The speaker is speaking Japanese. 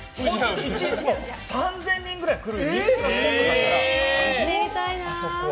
１日３０００人くらい来る人気のスポットだから、あそこは。